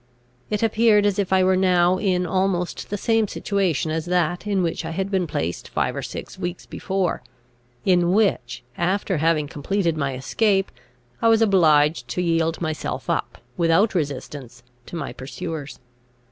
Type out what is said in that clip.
It appeared as if I were now in almost the same situation as that in which I had been placed five or six weeks before, in which, after having completed my escape, I was obliged to yield myself up, without resistance, to my pursuers.